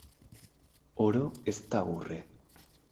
Oro ez da urre.